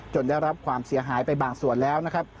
ได้รับความเสียหายไปบางส่วนแล้วนะครับ